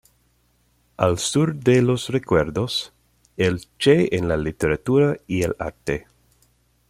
Al Sur de los Recuerdos: el Che en la Literatura y el Arte.